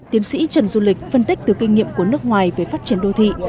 tiến sĩ trần du lịch phân tích từ kinh nghiệm của nước ngoài về phát triển đô thị